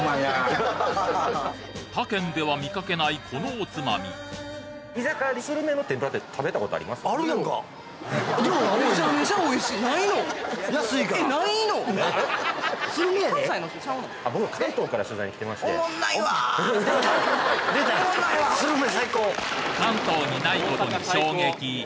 他県では見かけないこのおつまみ関東にないことに衝撃